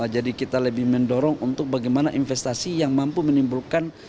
jadi kita lebih mendorong untuk bagaimana investasi yang mampu menimbulkan